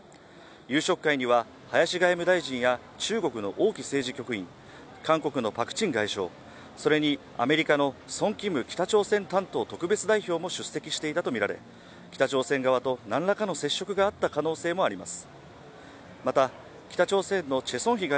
夕食会には、林外務大臣や中国の王毅政治局員韓国のパク・チン外相それにアメリカのソン・キム北朝鮮担当特別代表も出席していたとみられ、北朝鮮側と何らかの接触があった可能性もあります。